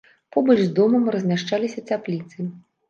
Побач з домам размяшчаліся цяпліцы.